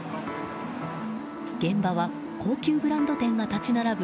現場は高級ブランド店が立ち並ぶ